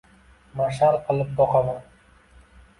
Mash’al qilib boqaman.